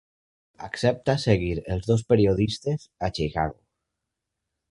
Accepta seguir els dos periodistes a Chicago.